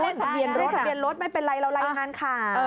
เลขทะเบียนรถไม่เป็นไรเราไลยงานข่าว